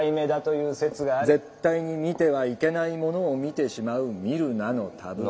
絶対に見てはいけないものを見てしまう「見るなのタブー」。